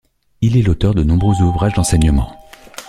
Il est l'auteur de nombreux ouvrages d'enseignement.